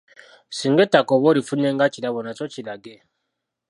Singa ettaka oba olifunye nga kirabo, nakyo kirage.